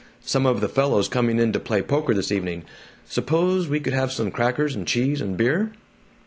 Some of the fellows coming in to play poker this evening. Suppose we could have some crackers and cheese and beer?"